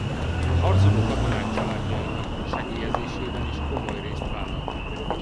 A harcoló katonák családjainak segélyezésében is komoly rész vállalt.